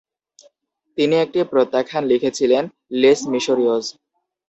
তিনি একটি প্রত্যাখ্যান লিখেছিলেন, ‘লেস মিশরীয়স’।